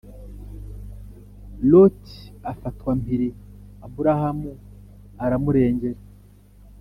Loti afatwa mpiri Aburamu aramurengera